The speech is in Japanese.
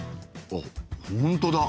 あっ本当だ。